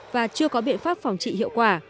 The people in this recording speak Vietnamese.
và chưa có biện pháp phòng trị hiệu quả